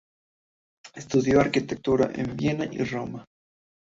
Estudió arquitectura en Viena y Roma.